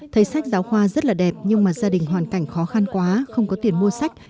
thấy sách giáo khoa rất là đẹp nhưng mà gia đình hoàn cảnh khó khăn quá không có tiền mua sách